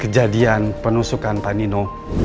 kejadian penusukan pak nino